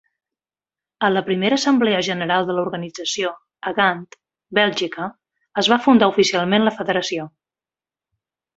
A la primera assemblea general de l'organització, a Gant, Bèlgica, es va fundar oficialment la federació.